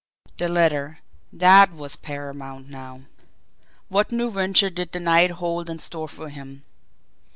The letter that was paramount now. What new venture did the night hold in store for him?